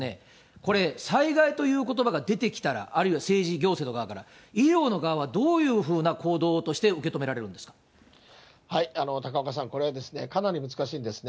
これ、災害ということばが出てきたら、あるいは、政治、行政の側から、医療の側はどういうふうな行動として受け止められ高岡さん、これはかなり難しいんですね。